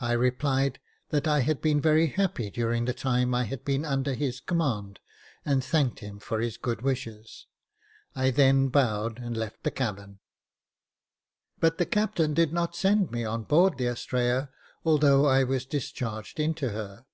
I replied that I had been very happy during the time I had been under his command, and thanked him for his good wishes. I then bowed and left the cabin. But the '^'ji Jacob Faithful captain did not send me on board the Astrea^ although I was discharged into her.